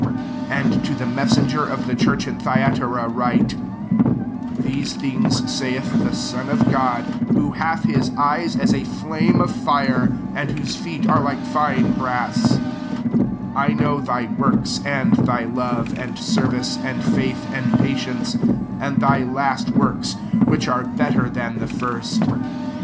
18 " And to the messenger of the church in Thyatira write: • These things saith the Son of God, who hath his eyes as a flame of fire, and whose feet are like fine brass ; 19 I know, thy [works andl t/ty love, and ser vice, and faith, and patience, and thy last works, which are better than the first.